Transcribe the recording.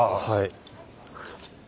はい。